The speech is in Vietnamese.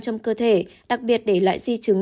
trong cơ thể đặc biệt để lại di chứng